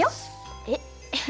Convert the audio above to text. えっ？